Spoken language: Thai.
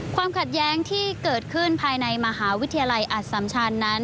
ความขัดแย้งที่เกิดขึ้นภายในมหาวิทยาลัยอสัมชันนั้น